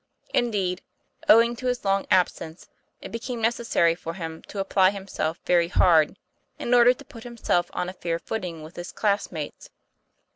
Indeed, owing to his long absence, it became necessary for him to apply himself very hard, in order to put himself on a fair footing with his classmates.